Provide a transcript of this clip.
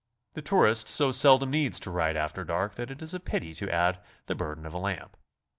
The tourist so seldom needs to ride after dark that it is a pity to add the burden of a lamp.